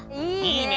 いいね！